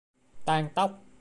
tang tóc